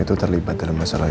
itu terlibat dalam masalah